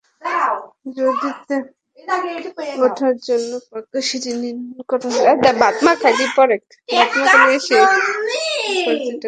জাদিতে ওঠার জন্য পাকা সিঁড়ি নির্মাণ করা হলে এখানে পর্যটকের সমাগম ঘটবে।